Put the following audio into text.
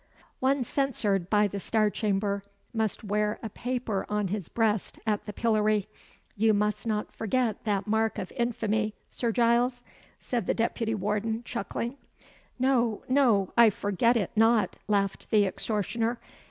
"One censured by the Star Chamber must wear a paper on his breast at the pillory. You must not forget that mark of infamy, Sir Giles," said the deputy warden, chuckling. "No, no; I forget it not," laughed the extortioner.